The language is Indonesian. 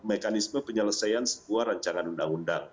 ada mekanisme penyelesaian semua rancangan undang undang